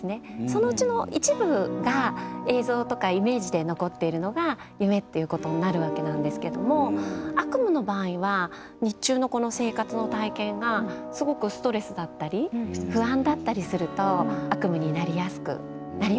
そのうちの一部が映像とかイメージで残っているのが夢っていうことになるわけなんですけども悪夢の場合は日中のこの生活の体験がすごくストレスだったり不安だったりすると悪夢になりやすくなります。